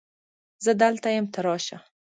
زه دلته یم ته راشه